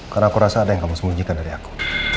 karena aku rasa ada yang kamu sembunyikan dari aku